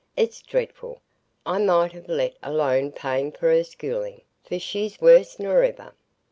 It's dreadful. I might ha' let alone paying for her schooling, for she's worse nor ever."